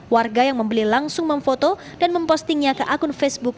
warga yang membeli langsung memfoto dan mempostingnya ke akun facebook